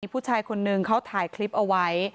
ผู้ชายคนนึงเขาถ่ายคลิปเอาไว้